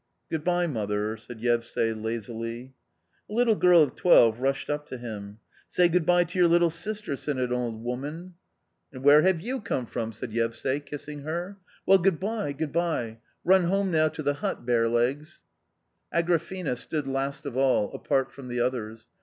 " Good bye, mother," said Yevsay lazily. A little girl of twelve rushed up to him. " Say good bye to your little sister !" said an old woman. A COMMON STORY 23 " And where have you come from ?" said Yevsay, kissing her, " well, good bye, good bye ! Run home now to the hut, bare legs/' Agrafena stood last of all, apart from the others.